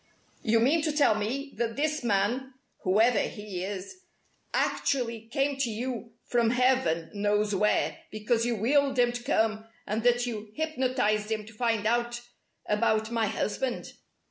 "You mean to tell me that this man whoever he is actually came to you from heaven knows where because you willed him to come, and that you hypnotized him to find out about my husband?"